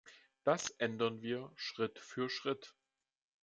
Das ändern wir Schritt für Schritt.